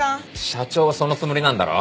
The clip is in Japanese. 社長はそのつもりなんだろ？